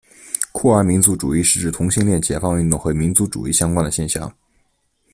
酷儿民族主义是指同性恋解放运动和民族主义相关的现象。